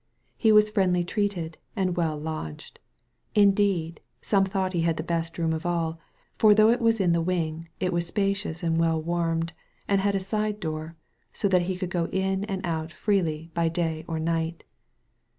He was friendly treated and well lodged. Indeed, some thought he had the best room of all, for though it was in the wing, it was spacious and well warmed, and had a side door, so that he could go in and out freely by day or night.